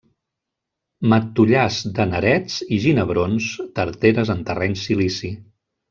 Matollars de nerets i ginebrons, tarteres en terreny silici.